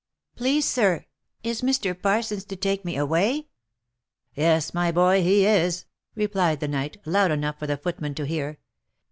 " Please sir, is Mr. Parsons to take me away ?"" Yes, my boy, he is," replied the knight, loud enough for the footman to hear.